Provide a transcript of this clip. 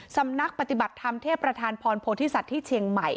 สำนักปฏิบัติธรรมเทพประธานพรโพธิสัตว์ที่เชียงใหม่